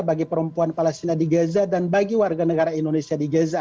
bagi perempuan palestina di gaza dan bagi warga negara indonesia di gaza